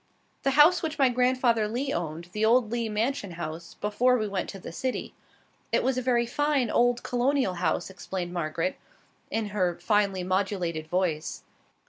"The house which my grandfather Lee owned, the old Lee mansion house, before we went to the city. It was a very fine old Colonial house," explained Margaret, in her finely modulated voice.